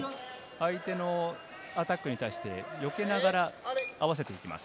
相手のアタックに対して、よけながら合わせていきます。